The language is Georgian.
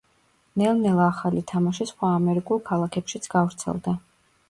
ნელ-ნელა ახალი თამაში სხვა ამერიკულ ქალაქებშიც გავრცელდა.